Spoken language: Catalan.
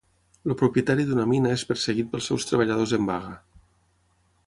El propietari d'una mina és perseguit pels seus treballadors en vaga.